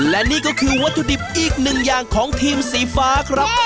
และนี่ก็คือวัตถุดิบอีกหนึ่งอย่างของทีมสีฟ้าครับ